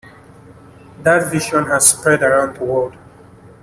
That vision has spread around the world.